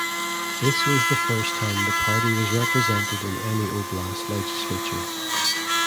This was the first time the party was represented in any oblast legislature.